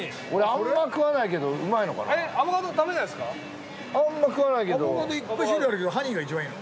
あんま食わないけどアボカドいっぱい種類あるけどハニーが一番いいの？